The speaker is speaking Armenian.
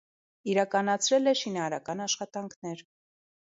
Իրականացրել է շինարարական աշխատանքներ։